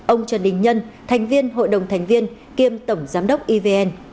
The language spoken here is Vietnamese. ông trần đình nhân thành viên hội đồng thành viên kiêm tổng giám đốc evn